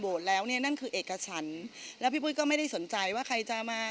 แล้วเนี่ยนั่นคือเอกฉันแล้วพี่ปุ้ยก็ไม่ได้สนใจว่าใครจะมา